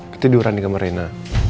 ketiduran di kamar reina